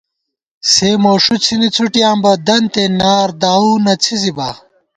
سےموݭُو څھِنی څھُٹیاں بہ دنتے نار داوؤ نہ څھِزِبا